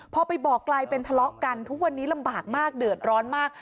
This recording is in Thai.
พอไปบอกกลายเป็นทะเลาะกันทุกวันนี้ลำบากมากเดือดร้อนมาก